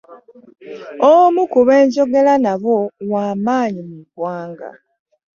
Omu ku be njogera nabo wa maanyi mu ggwanga.